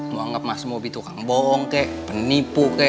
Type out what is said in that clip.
mau anggap mas bobby tukang bohong kek penipu kek